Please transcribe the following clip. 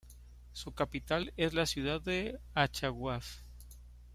Su capital es la ciudad de Achaguas.